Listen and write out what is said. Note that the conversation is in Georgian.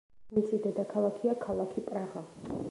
მისი დედაქალაქია ქალაქი პრაღა.